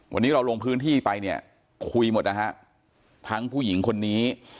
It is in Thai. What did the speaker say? วันนี้เราลงพื้นที่ไปเนี่ยคุยหมดนะฮะทั้งผู้หญิงคนนี้